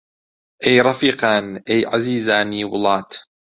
ئەی ڕەفیقان، ئەی عەزیزانی وڵات!